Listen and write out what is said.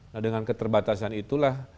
nah dengan keterbatasan itulah